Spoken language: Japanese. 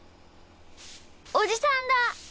おじさんだ。